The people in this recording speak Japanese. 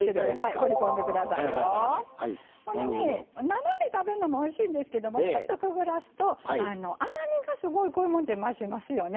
ほんでね生で食べるのもおいしいんですけどもちょっとくぐらすと甘みがすごいこういうものて増しますよね。